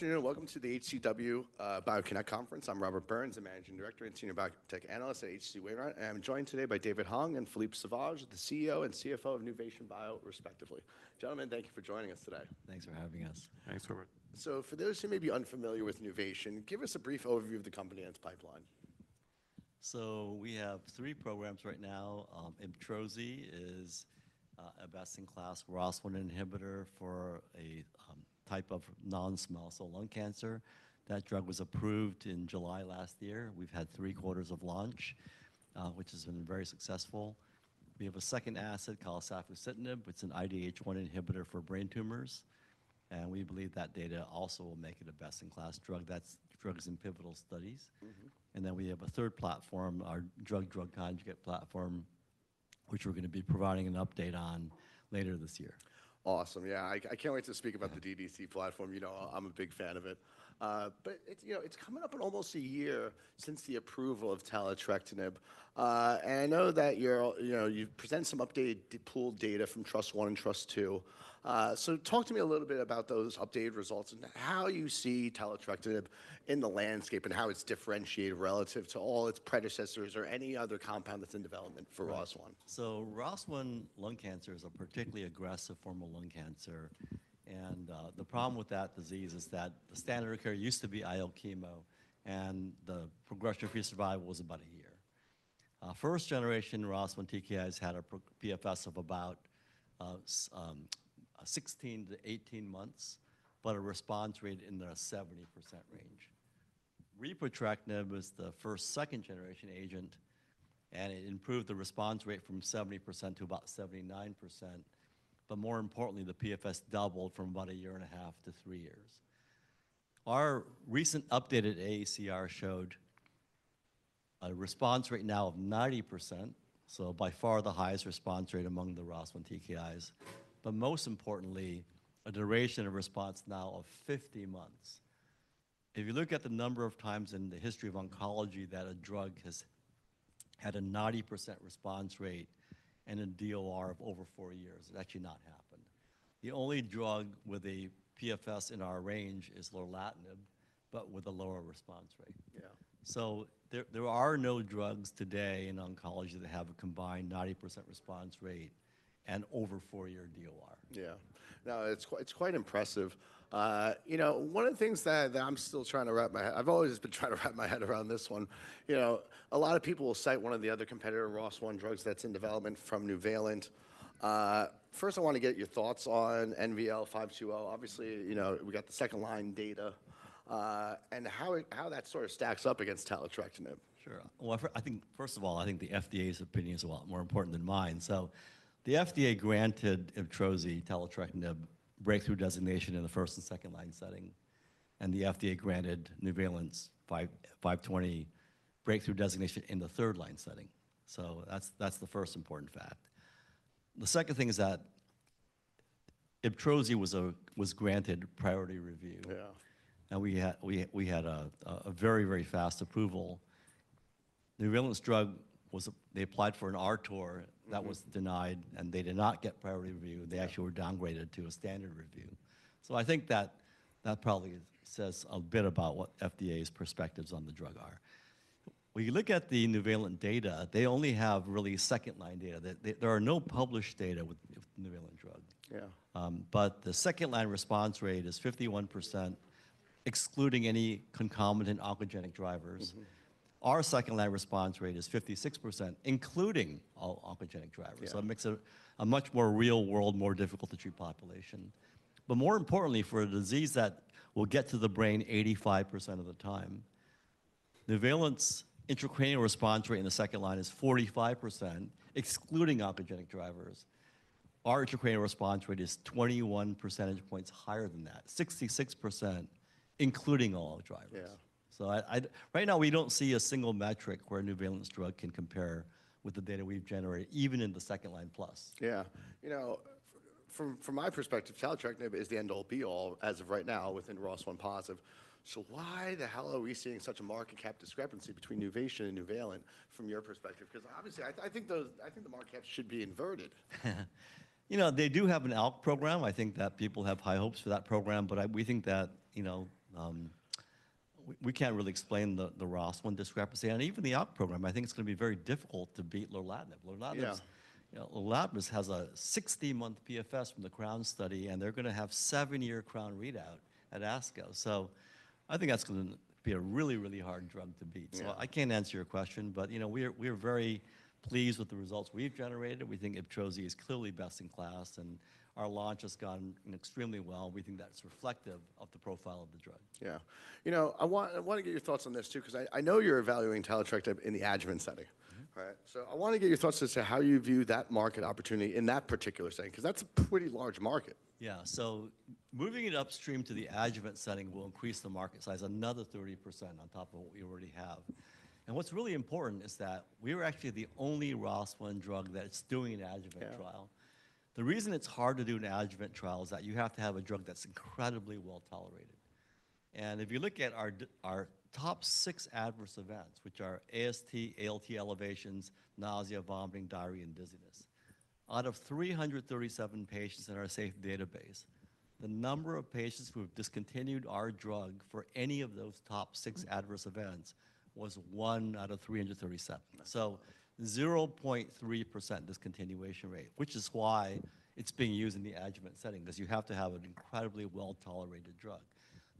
Afternoon, welcome to the H.C. Wainwright BioConnect Conference. I'm Robert Burns, a managing director and senior biotech analyst at H.C. Wainwright. I'm joined today by David Hung and Philippe Sauvage, the CEO and CFO of Nuvation Bio, respectively. Gentlemen, thank you for joining us today. Thanks for having us. Thanks, Robert. For those who may be unfamiliar with Nuvation, give us a brief overview of the company and its pipeline? We have three programs right now. IBTROZI is a best-in-class ROS1 inhibitor for a type of non-small cell lung cancer. That drug was approved in July last year. We've had 3 quarters of launch, which has been very successful. We have a second asset called safusidenib. It's an IDH1 inhibitor for brain tumors, and we believe that data also will make it a best-in-class drug. That's drug's in pivotal studies. We have a third platform, our Drug-Drug Conjugate platform, which we're going to be providing an update on later this year. Awesome. Yeah. I can't wait to speak about the DDC platform. You know I'm a big fan of it. It, you know, it's coming up on almost a year since the approval of taletrectinib. I know that you're, you know, you present some updated pooled data from TRUST-I and TRUST-II. Talk to me a little bit about those updated results and how you see taletrectinib in the landscape and how it's differentiated relative to all its predecessors or any other compound that's in development for ROS1. ROS1 lung cancer is a particularly aggressive form of lung cancer, and the problem with that disease is that the standard of care used to be IO chemo, and the progression-free survival was about one year. First generation ROS1 TKIs had a PFS of about 16-18 months, but a response rate in the 70% range. Repotrectinib was the first second generation agent, and it improved the response rate from 70% to about 79%. More importantly, the PFS doubled from about 1 and a half years to three years. Our recent updated AACR showed a response rate now of 90%, so by far the highest response rate among the ROS1 TKIs. Most importantly, a duration of response now of 50 months. If you look at the number of times in the history of oncology that a drug has had a 90% response rate and a DOR of over four years, it's actually not happened. The only drug with a PFS in our range is lorlatinib, but with a lower response rate. Yeah. There are no drugs today in oncology that have a combined 90% response rate and over 4-year DOR. Yeah. No, it's quite impressive. You know, one of the things that I've always been trying to wrap my head around this one. You know, a lot of people will cite one of the other competitor ROS1 drugs that's in development from Nuvalent. First I wanna get your thoughts on NVL-520. Obviously, you know, we got the second line data, and how that sort of stacks up against taletrectinib. Sure. I think, first of all, I think the FDA's opinion is a lot more important than mine. The FDA granted IBTROZI, taletrectinib, breakthrough designation in the 1st and 2nd line setting, and the FDA granted Nuvalent's NVL-520 breakthrough designation in the 3rd line setting. That's the 1st important fact. The 2nd thing is that IBTROZI was granted priority review. Yeah. We had a very, very fast approval. Nuvalent's drug. They applied for an RTOR. That was denied, and they did not get priority review. Yeah. They actually were downgraded to a standard review. I think that probably says a bit about what FDA's perspectives on the drug are. When you look at the Nuvalent data, they only have really second line data. There are no published data with Nuvalent drug. Yeah. The second line response rate is 51%, excluding any concomitant oncogenic drivers. Our second line response rate is 56%, including all oncogenic drivers. Yeah. It makes a much more real world, more difficult to treat population. More importantly, for a disease that will get to the brain 85% of the time, Nuvalent's intracranial response rate in the second line is 45%, excluding oncogenic drivers. Our intracranial response rate is 21 percentage points higher than that, 66%, including all drivers. Yeah. Right now we don't see a single metric where Nuvalent's drug can compare with the data we've generated, even in the second line plus. Yeah. You know, from my perspective, taletrectinib is the end all be all as of right now within ROS1 positive. Why the hell are we seeing such a market cap discrepancy between Nuvation and Nuvalent from your perspective? Obviously I think the market caps should be inverted. You know, they do have an ALK program. I think that people have high hopes for that program, we think that, you know, we can't really explain the ROS1 discrepancy. Even the ALK program, I think it's gonna be very difficult to beat lorlatinib. Yeah You know, lorlatinib has a 60-month PFS from the CROWN study, and they're gonna have seven-year CROWN readout at ASCO. I think that's gonna be a really, really hard drug to beat. Yeah. I can't answer your question, but you know, we're very pleased with the results we've generated. We think IBTROZI is clearly best in class, and our launch has gone extremely well. We think that's reflective of the profile of the drug. Yeah. You know, I wanna get your thoughts on this too, 'cause I know you're evaluating taletrectinib in the adjuvant setting. Right? I wanna get your thoughts as to how you view that market opportunity in that particular setting, 'cause that's a pretty large market. Yeah. Moving it upstream to the adjuvant setting will increase the market size another 30% on top of what we already have. What's really important is that we're actually the only ROS1 drug that's doing an adjuvant trial. Yeah. The reason it's hard to do an adjuvant trial is that you have to have a drug that's incredibly well-tolerated. If you look at our top six adverse events, which are AST, ALT elevations, nausea, vomiting, diarrhea, and dizziness. Out of 337 patients in our safety database, the number of patients who have discontinued our drug for any of those top six adverse events was 1 out of 337. 0.3% discontinuation rate, which is why it's being used in the adjuvant setting, because you have to have an incredibly well-tolerated drug.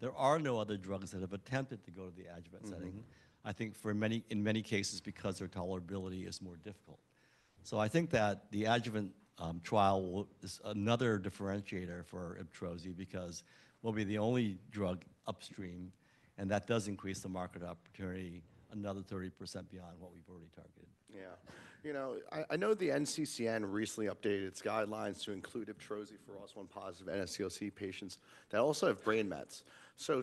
There are no other drugs that have attempted to go to the adjuvant setting. I think for many cases, because their tolerability is more difficult. I think that the adjuvant trial is another differentiator for IBTROZI because we'll be the only drug upstream, and that does increase the market opportunity another 30% beyond what we've already targeted. Yeah. You know, I know the NCCN recently updated its guidelines to include IBTROZI for ROS1 positive NSCLC patients that also have brain mets.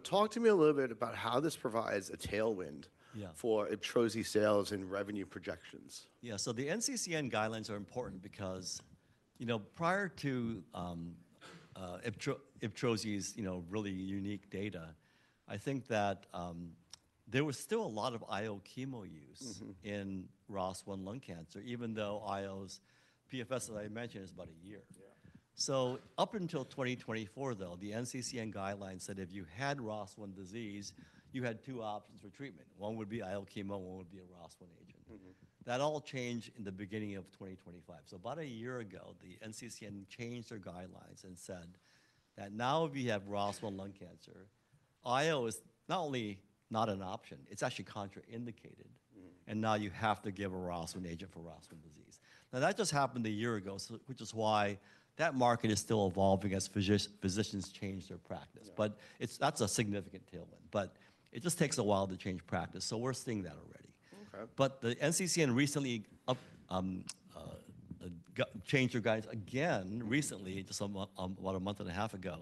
Talk to me a little bit about how this provides a tailwind? Yeah For IBTROZI sales and revenue projections. Yeah, the NCCN guidelines are important because, you know, prior to IBTROZI's, you know, really unique data, I think that there was still a lot of IO-chemo use. In ROS1 lung cancer, even though IO's PFS, as I mentioned, is about a year. Yeah. Up until 2024 though, the NCCN guidelines said if you had ROS1 disease, you had two options for treatment. One would be IO chemo, one would be a ROS1 agent. That all changed in the beginning of 2025. About a year ago, the NCCN changed their guidelines and said that now if you have ROS1 lung cancer, IO is not only not an option, it's actually contraindicated. Now you have to give a ROS1 agent for ROS1 disease. That just happened a year ago, which is why that market is still evolving as physicians change their practice. Yeah. That's a significant tailwind. It just takes a while to change practice, so we're seeing that already. Okay. The NCCN recently changed their guides again recently about a month and a half ago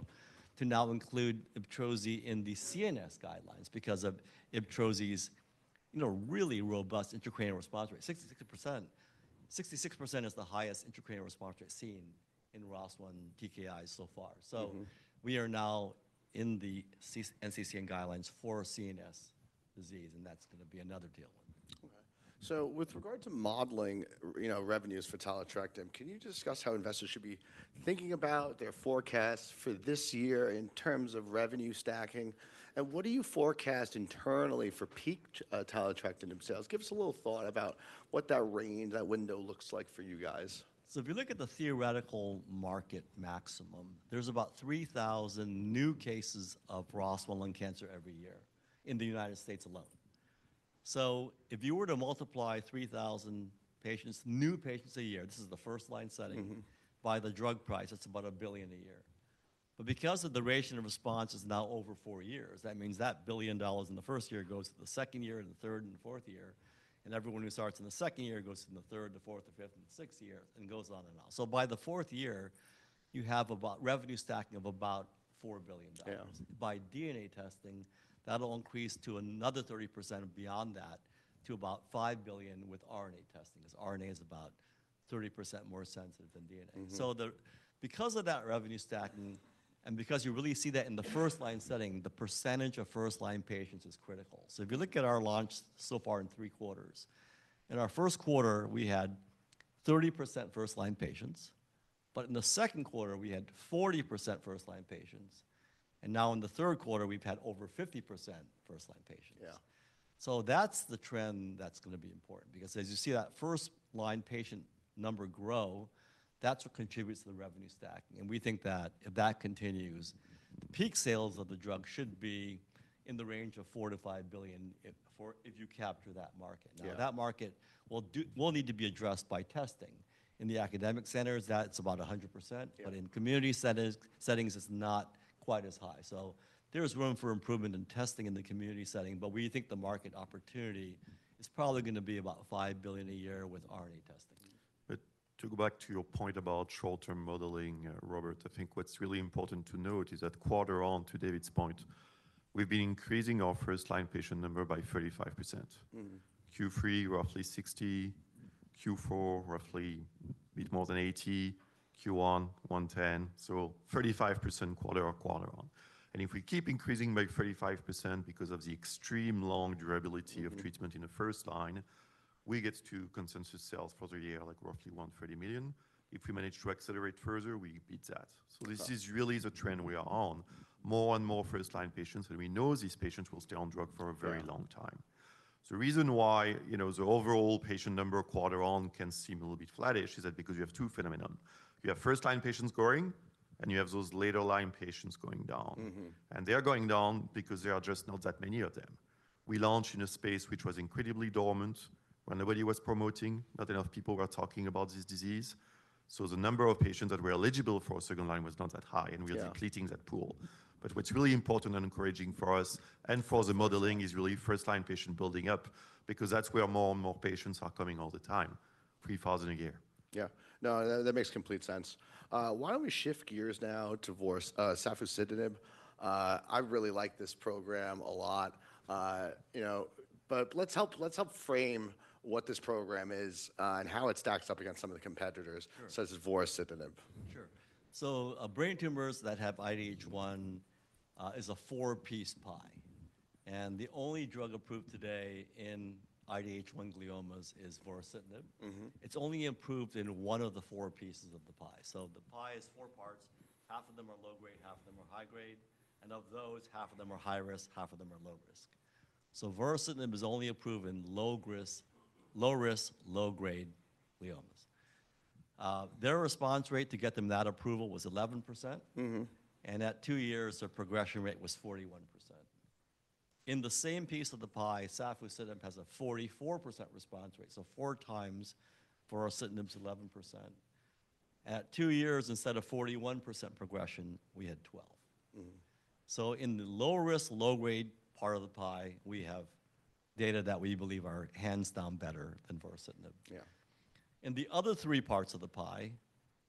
to now include IBTROZI in the CNS guidelines because of IBTROZI's, you know, really robust intracranial response rate, 66%. 66% is the highest intracranial response rate seen in ROS1 TKI so far. We are now in the NCCN guidelines for CNS disease, and that's gonna be another deal. Okay. With regard to modeling, you know, revenues for taletrectinib, can you discuss how investors should be thinking about their forecasts for this year in terms of revenue stacking? What do you forecast internally for peak taletrectinib sales? Give us a little thought about what that range, that window looks like for you guys. If you look at the theoretical market maximum, there's about 3,000 new cases of ROS1 lung cancer every year in the U.S. alone. If you were to multiply 3,000 patients, new patients a year, this is the first line setting. By the drug price, that's about $1 billion a year. Because of the duration of response is now over four years, that means that $1 billion in the first year goes to the second year and the third and fourth year, and everyone who starts in the second year goes to the third, the fourth, the fifth and sixth year, and goes on and on. By the fourth year, you have about revenue stacking of about $4 billion. Yeah. By DNA testing, that'll increase to another 30% beyond that to about $5 billion with RNA testing, as RNA is about 30% more sensitive than DNA. Because of that revenue stacking and because you really see that in the first line setting, the percentage of first line patients is critical. If you look at our launch so far in 3 quarters, in our Q1, we had 30% first line patients. In the Q2, we had 40% first line patients. Now in the Q3, we've had over 50% first line patients. Yeah. That's the trend that's gonna be important because as you see that first line patient number grow, that's what contributes to the revenue stacking. We think that if that continues, the peak sales of the drug should be in the range of $4 billion-$5 billion if you capture that market. Yeah. Now that market will need to be addressed by testing. In the academic centers, that's about 100%. Yeah. In community settings, it's not quite as high. There's room for improvement in testing in the community setting, but we think the market opportunity is probably gonna be about $5 billion a year with RNA testing. To go back to your point about short-term modeling, Robert, I think what's really important to note is that quarter on, to David's point, we've been increasing our first line patient number by 35%. Q3, roughly $60. Q4, roughly bit more than $80. Q1, $110. 35% quarter-over-quarter. If we keep increasing by 35% because of the extreme long durability of treatment. In the first line, we get to consensus sales for the year, like roughly $130 million. If we manage to accelerate further, we beat that. That's right. This is really the trend we are on. More and more first line patients, we know these patients will stay on drug for a very long time. The reason why, you know, the overall patient number quarter on can seem a little bit flattish is that because you have two phenomenon. You have first line patients growing, you have those later line patients going down. They are going down because there are just not that many of them. We launched in a space which was incredibly dormant where nobody was promoting, not enough people were talking about this disease. The number of patients that were eligible for a second line was not that high. Yeah We are depleting that pool. What's really important and encouraging for us and for the modeling is really first-line patient building up because that's where more and more patients are coming all the time, 3,000 a year. Yeah. No, that makes complete sense. Why don't we shift gears now to safusidenib. I really like this program a lot. You know, let's help frame what this program is and how it stacks up against some of the competitors. Such as vorasidenib. Sure. Brain tumors that have IDH1 is a four-piece pie. The only drug approved today in IDH1 gliomas is vorasidenib. It's only approved in one of the four pieces of the pie. The pie is four parts, half of them are low-grade, half of them are high-grade, and of those, half of them are high risk, half of them are low risk. Vorasidenib is only approved in low risk, low-grade gliomas. Their response rate to get them that approval was 11%. At two years, their progression rate was 41%. In the same piece of the pie, safusidenib has a 44% response rate, so 4x vorasidenib's 11%. At two years, instead of 41% progression, we had 12%. In the low risk, low-grade part of the pie, we have data that we believe are hands down better than vorasidenib. Yeah. In the other three parts of the pie,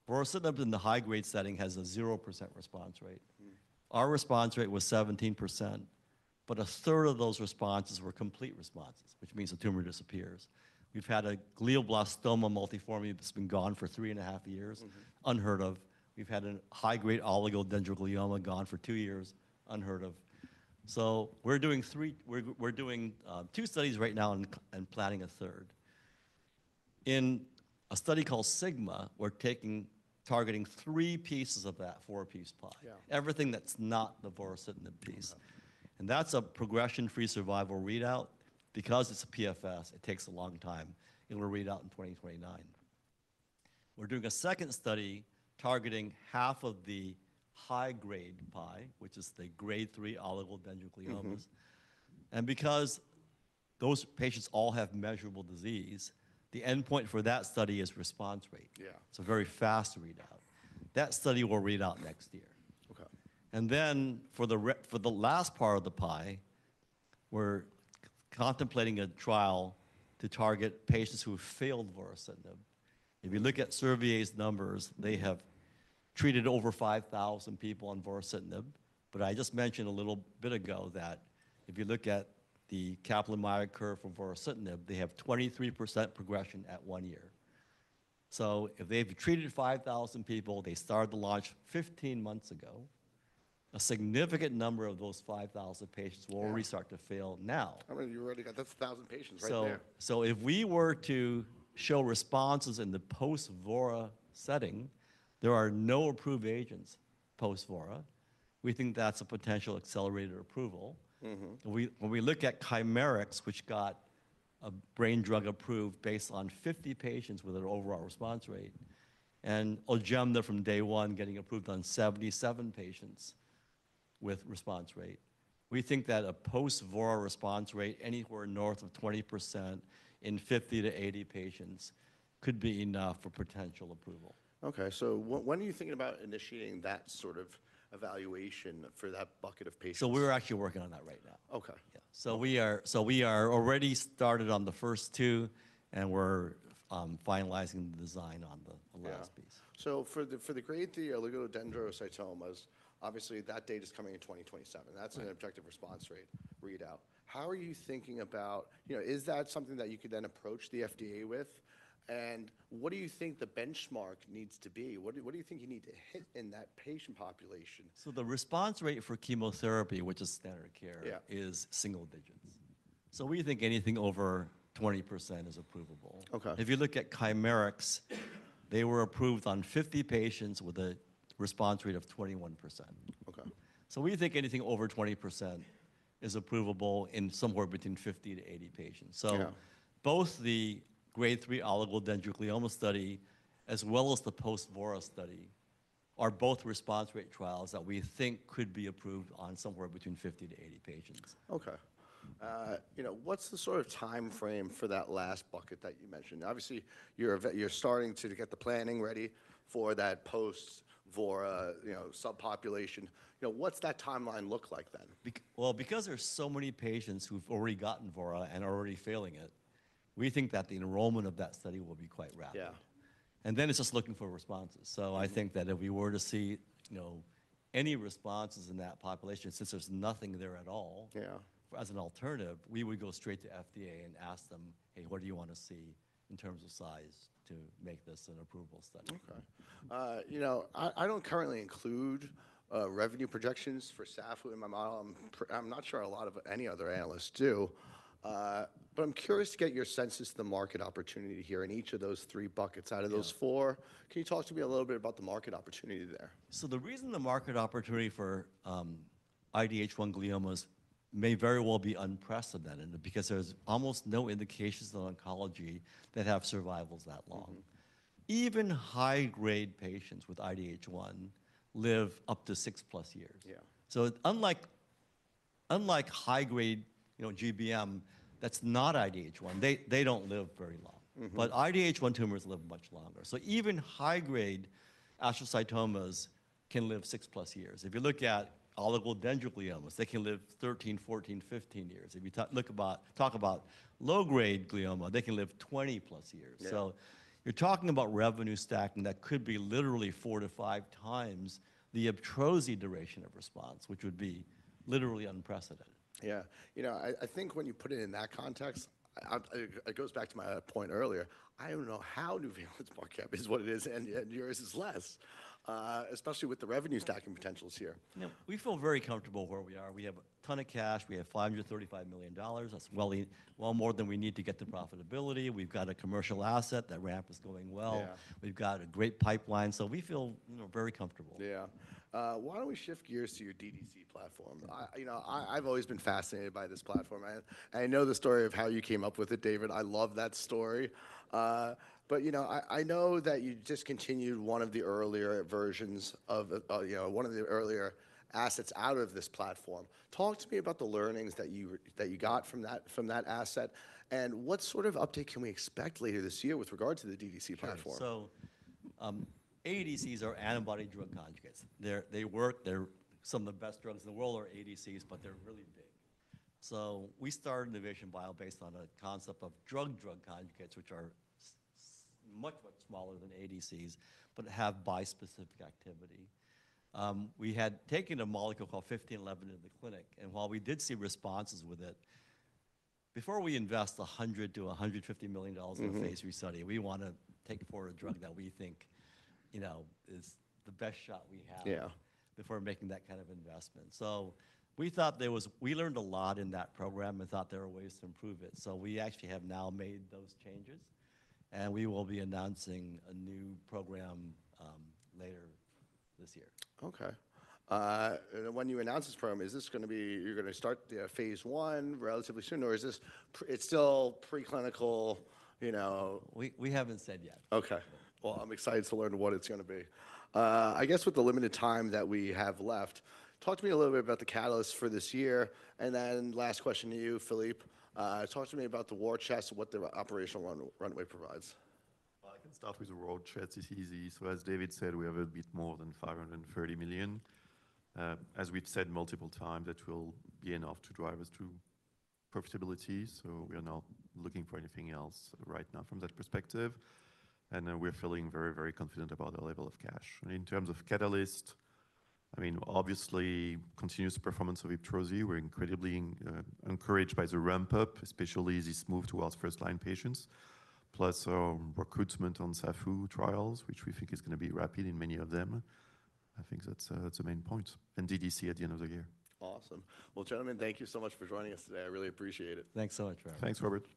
vorasidenib in the high-grade setting has a 0% response rate. Our response rate was 17%, but a third of those responses were complete responses, which means the tumor disappears. We've had a glioblastoma multiforme that's been gone for three and a half years. Unheard of. We've had a high-grade oligodendroglioma gone for two years. Unheard of. We're doing two studies right now and planning a third. In a study called SIGMA, we're targeting three pieces of that four-piece pie. Yeah. Everything that's not the vorasidenib piece. Okay. That's a progression-free survival readout. Because it's a PFS, it takes a long time. It'll read out in 2029. We're doing a second study targeting half of the high-grade pie, which is the grade 3 oligodendrogliomas. Because those patients all have measurable disease, the endpoint for that study is response rate. Yeah. It's a very fast readout. That study will read out next year. Okay. For the last part of the pie, we're contemplating a trial to target patients who have failed vorasidenib. If you look at Servier's numbers, they have treated over 5,000 people on vorasidenib, but I just mentioned a little bit ago that if you look at the Kaplan-Meier curve for vorasidenib, they have 23% progression at one year. If they've treated 5,000 people, they started the launch 15 months ago, a significant number of those 5,000 patients will already start to fail now. I mean, you already got that's a 1,000 patients right there. If we were to show responses in the post-Vora setting, there are no approved agents post-Vora. We think that's a potential accelerated approval. When we look at Chimerix, which got a brain drug approved based on 50 patients with an overall response rate, and Ojemda from day one getting approved on 77 patients with response rate, we think that a post-Vora response rate anywhere north of 20% in 50-80 patients could be enough for potential approval. Okay. When are you thinking about initiating that sort of evaluation for that bucket of patients? We're actually working on that right now. Okay. Yeah. We are already started on the first two, and we're finalizing the design on the last piece. Yeah. For the grade 3 oligodendrogliomas, obviously, that date is coming in 2027. That's an objective response rate readout. You know, is that something that you could then approach the FDA with? What do you think the benchmark needs to be? What do you think you need to hit in that patient population? The response rate for chemotherapy, which is standard care. Yeah is single digits. We think anything over 20% is approvable. Okay. If you look at Chimerix, they were approved on 50 patients with a response rate of 21%. Okay. We think anything over 20% is approvable in somewhere between 50 to 80 patients. Yeah both the grade 3 oligodendroglioma study as well as the post-Vora study are both response rate trials that we think could be approved on somewhere between 50 to 80 patients. Okay. You know, what's the sort of timeframe for that last bucket that you mentioned? Obviously, you're starting to get the planning ready for that post-Vora, you know, subpopulation. You know, what's that timeline look like? Well, because there's so many patients who've already gotten vora and are already failing it, we think that the enrollment of that study will be quite rapid. Yeah. It's just looking for responses. I think that if we were to see, you know, any responses in that population, since there's nothing there at all. Yeah As an alternative, we would go straight to FDA and ask them, "Hey, what do you want to see in terms of size to make this an approval study? Okay. you know, I don't currently include revenue projections for SAFU in my model. I'm not sure a lot of any other analysts do. I'm curious to get your consensus to the market opportunity here in each of those three buckets out of those four. Yeah. Can you talk to me a little bit about the market opportunity there? The reason the market opportunity for IDH1 gliomas may very well be unprecedented, because there's almost no indications in oncology that have survivals that long. Even high-grade patients with IDH1 live up to 6+ years. Yeah. Unlike high-grade, you know, GBM that's not IDH1, they don't live very long. IDH1 tumors live much longer. Even high-grade astrocytomas can live 6+ years. If you talk about oligodendrogliomas, they can live 13, 14, 15 years. If you talk about low-grade glioma, they can live 20+ years. Yeah. You're talking about revenue stacking that could be literally four to 5x the IBTROZI duration of response, which would be literally unprecedented. Yeah. You know, I think when you put it in that context, it goes back to my point earlier. I don't know how Nuvalent's market cap is what it is, and yours is less, especially with the revenue stacking potentials here. Yeah. We feel very comfortable where we are. We have a ton of cash. We have $535 million. That's well more than we need to get to profitability. We've got a commercial asset. That ramp is going well. Yeah. We've got a great pipeline. We feel, you know, very comfortable. Yeah. Why don't we shift gears to your DDC platform? I, you know, I've always been fascinated by this platform. I know the story of how you came up with it, David. I love that story. You know, I know that you discontinued one of the earlier versions of, you know, one of the earlier assets out of this platform. Talk to me about the learnings that you got from that asset, and what sort of update can we expect later this year with regard to the DDC platform? Sure. ADCs are antibody drug conjugates. They work, they're some of the best drugs in the world are ADCs, but they're really big. We started Nuvation Bio based on a concept of drug-drug conjugates, which are much, much smaller than ADCs but have bispecific activity. We had taken a molecule called NUV-1511 into the clinic, and while we did see responses with it, before we invest $100 million-$150 million. in a phase III study, we wanna take forward a drug that we think, you know, is the best shot we have. Yeah before making that kind of investment. We learned a lot in that program and thought there were ways to improve it. We actually have now made those changes. We will be announcing a new program later this year. Okay. When you announce this program, is this gonna be you're gonna start the phase I relatively soon, or is this still preclinical, you know? We haven't said yet. Okay. Well, I'm excited to learn what it's gonna be. I guess with the limited time that we have left, talk to me a little bit about the catalyst for this year. Last question to you, Philippe, talk to me about the war chest and what the operational runway provides. Well, I can start with the war chest. It's easy. As David said, we have a bit more than $530 million. As we've said multiple times, that will be enough to drive us to profitability, we are not looking for anything else right now from that perspective. We're feeling very, very confident about the level of cash. In terms of catalyst, I mean, obviously, continuous performance of IBTROZI. We're incredibly encouraged by the ramp-up, especially this move towards first-line patients, plus recruitment on SAFU trials, which we think is gonna be rapid in many of them. I think that's the main point, DDC at the end of the year. Awesome. Well, gentlemen, thank you so much for joining us today. I really appreciate it. Thanks so much, Robert. Thanks, Robert.